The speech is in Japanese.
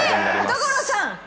所さん！